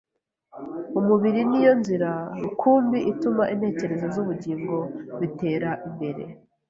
Umubiri ni yo nzira rukumbi ituma intekerezo n’ubugingo bitera imbere